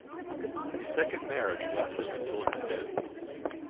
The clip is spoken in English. His second marriage lasted until his death.